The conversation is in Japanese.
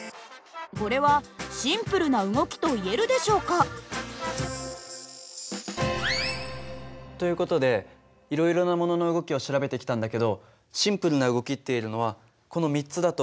これはシンプルな動きといえるでしょうか？という事でいろいろなものの動きを調べてきたんだけどシンプルな動きっていえるのはこの３つだと思うんだよね。